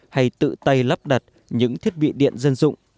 hay tự tay lắp đặt những thiết bị điện dân dụng